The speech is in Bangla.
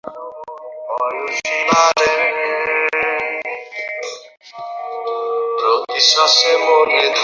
বাইরে দুই সিটের এক হুডখোলা গাড়ি পার্ক করা ছিল।